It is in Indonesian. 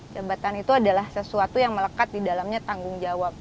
jabatan itu adalah sesuatu yang melekat di dalamnya tanggung jawab